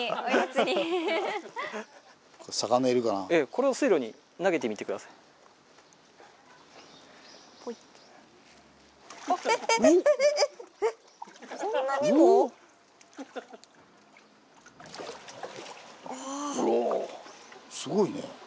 これはすごいね。